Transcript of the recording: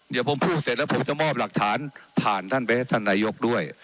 เดี๋ยวผมพูดเสร็จแล้วผมจะมอบหลักฐานผ่านท่านไปให้ท่านนายกด้วย